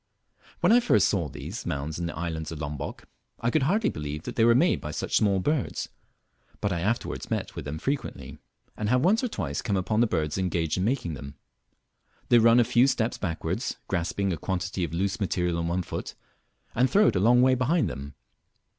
When I first saw these mounds in the island of Lombock, I could hardly believe that they were made by such small birds, but I afterwards met with them frequently, and have once or twice come upon the birds engaged in making them. They run a few steps backwards, grasping a quantity of loose material in one foot, and throw it a long way behind them.